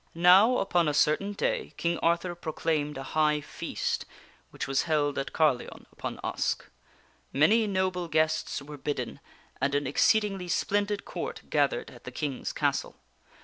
NOW, upon a certain day King Arthur proclaimed a high feast, which was held at Carleon upon Usk. Many noble guests were bidden, and an exceedingly splendid Court gathered at the King's castle.